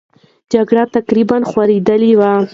جګړه تقریبا خورېدلې وه.